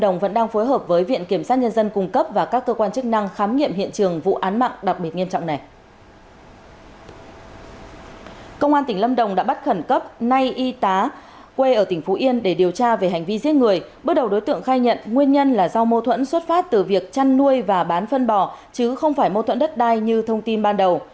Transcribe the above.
này y tá quê ở tỉnh phú yên để điều tra về hành vi giết người bước đầu đối tượng khai nhận nguyên nhân là do mâu thuẫn xuất phát từ việc chăn nuôi và bán phân bò chứ không phải mâu thuẫn đất đai như thông tin ban đầu